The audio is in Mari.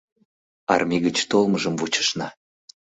Армий гыч толмыжым вучышна